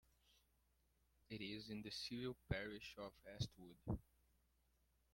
It is in the civil parish of Astwood.